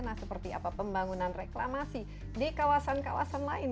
nah seperti apa pembangunan reklamasi di kawasan kawasan lain